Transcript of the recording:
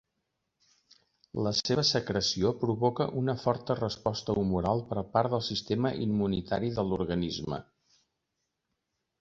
La seva secreció provoca una forta resposta humoral per part del sistema immunitari de l'organisme.